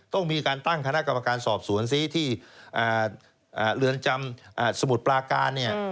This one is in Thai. ต้องมีการตั้งคณะกรรมการสอบสวนซิที่เรือนจำสมุทรปลาการเนี่ย